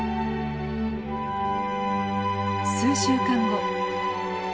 数週間後。